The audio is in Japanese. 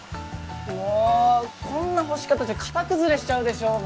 もうこんな干し方じゃ型崩れしちゃうでしょう